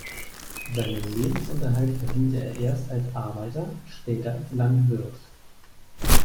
Seinen Lebensunterhalt verdiente er erst als Arbeiter, später als Landwirt.